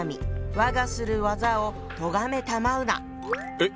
えっ！